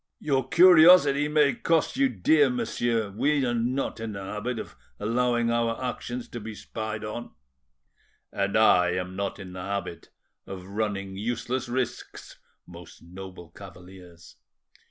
"Your curiosity may cost you dear, monsieur; we are not in the habit of allowing our actions to be spied on." "And I am not in the habit of running useless risks, most noble cavaliers.